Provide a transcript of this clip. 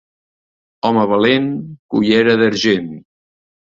Home valent, cullera d'argent.